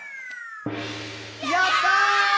「やったー！！」